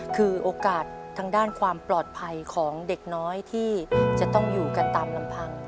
คือโอกาสทางด้านความปลอดภัยของเด็กน้อยที่จะต้องอยู่กันตามลำพัง